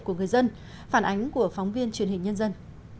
của người dân phản ánh của phóng viên truyền hình nhân dân